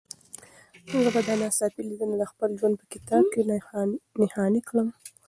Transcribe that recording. زه به دا ناڅاپي لیدنه د خپل ژوند په کتاب کې نښاني کړم.